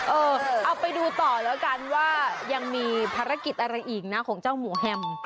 เออเอาไปดูต่อแล้วกันว่ายังมีภารกิจอะไรอีกนะของเจ้าหมูแฮม